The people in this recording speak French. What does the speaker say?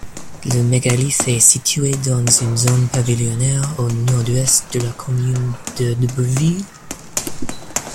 Le mégalithe est situé dans une zone pavillonnaire au nord-ouest de la commune d'Heudebouville.